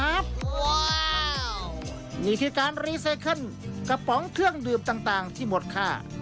นี่คือการรีไซเคิลกระป๋องเครื่องดื่มต่างที่หมดค่า